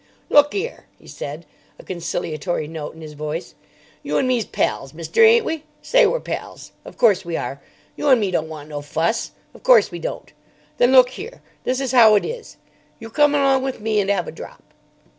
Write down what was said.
"Look 'ere!" he said, a conciliatory note in his voice, "you and me's pals, mister, ain't we? Say we're pals. Of course we are. You and me don't want no fuss. Of course we don't. Then look here: this is 'ow it is. You come along with me and 'ave a drop."